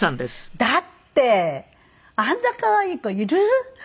だってあんな可愛い子いる？